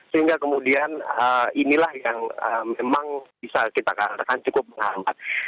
sehingga kemudian inilah yang memang bisa kita katakan cukup menghambat